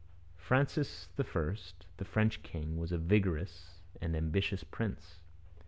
Francis I, the French king, was a vigorous and ambitious prince.